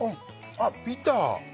あっビター！